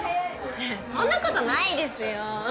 そんなことないですよ。